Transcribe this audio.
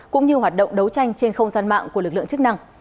cũng như hoạt động đấu tranh trên không gian mạng của lực lượng chức năng